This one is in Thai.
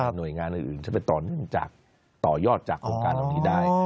หน่วยงานอื่นจะไปต่อยอดจากโครงการเราได้